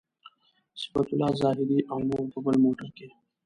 صفت الله زاهدي او نور په بل موټر کې.